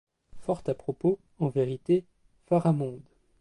Fort à propos, en vérité, Pharamond!...